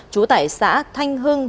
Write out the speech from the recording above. chú tải xã thanh hưng